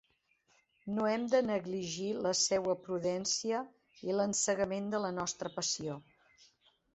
No hem de negligir la seua prudència i l'encegament de la nostra passió